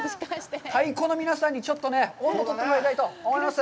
太鼓の皆さんにちょっと音頭取ってもらいたいと思います。